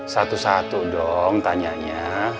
satu satu dong tanyanya